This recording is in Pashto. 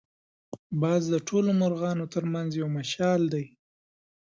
باز د ټولو مرغانو تر منځ یو مشال دی